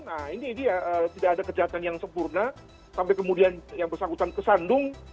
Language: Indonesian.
nah ini dia tidak ada kejahatan yang sempurna sampai kemudian yang bersangkutan kesandung